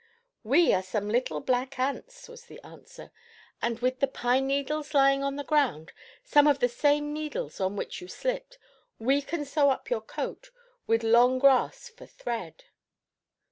"We are some little black ants," was the answer, "and with the pine needles lying on the ground some of the same needles on which you slipped we can sew up your coat, with long grass for thread."